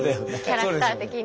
キャラクター的に。